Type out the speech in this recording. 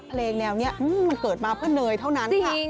เพลงแนวนี้มันเกิดมาเพื่อเนยเท่านั้นค่ะ